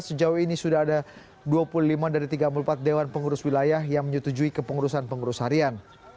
sejauh ini sudah ada dua puluh lima dari tiga puluh empat dewan pengurus wilayah yang menyetujui kepengurusan pengurus harian